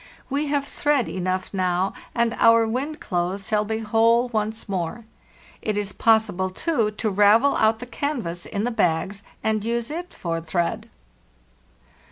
We have thread enough now, and our wind clothes shall be whole once more. It is possible, too, to ravel out the canvas in the bags, and use it for thread.